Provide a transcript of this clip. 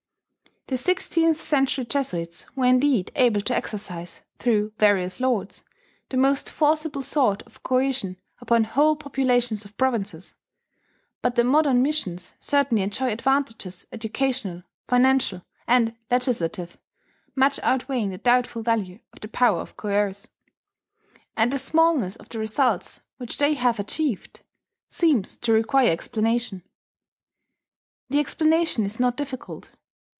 The sixteenth century Jesuits were indeed able to exercise, through various lords, the most forcible sort of coercion upon whole populations of provinces; but the modern missions certainly enjoy advantages educational, financial, and legislative, much outweighing the doubtful value of the power to coerce; and the smallness of the results which they have achieved seems to require explanation. The explanation is not difficult.